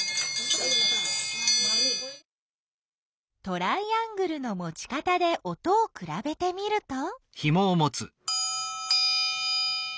トライアングルの持ち方で音をくらべてみると。